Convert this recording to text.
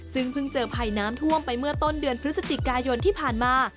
ซึ่งเพิ่งเจอภัยน้ำท่วมไปเมื่อต้นเดือนพฤศจิกายนที่ผ่านมา